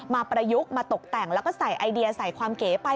ประยุกต์มาตกแต่งแล้วก็ใส่ไอเดียใส่ความเก๋ไป